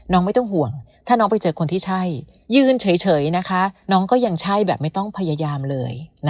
ไม่ต้องห่วงถ้าน้องไปเจอคนที่ใช่ยืนเฉยนะคะน้องก็ยังใช่แบบไม่ต้องพยายามเลย